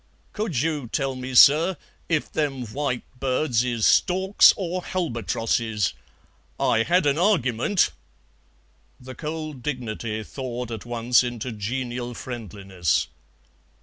"Could you tell me, sir, if them white birds is storks or halbatrosses? I had an argyment " The cold dignity thawed at once into genial friendliness.